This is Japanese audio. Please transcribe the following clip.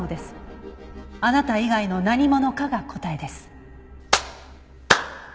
「あなた以外の何者か」が答えです。